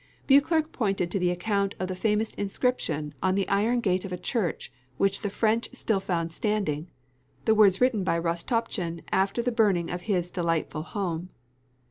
Beauclerc pointed to the account of that famous inscription on the iron gate of a church which the French found still standing, the words written by Rostopchin after the burning of his "delightful home."